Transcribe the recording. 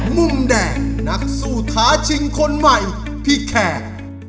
มุมแดงนักสู้ท้าชิงคนใหม่พี่แขก